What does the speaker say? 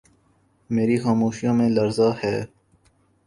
میری خاموشیوں میں لرزاں ہے